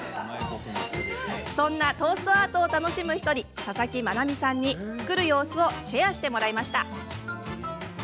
そんなトーストアートを楽しむ１人、佐々木愛美さんに作る様子をシェアしてもらいました。